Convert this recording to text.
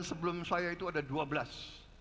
sebelum saya itu ada dua belas